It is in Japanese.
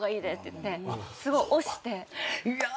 すごいおして。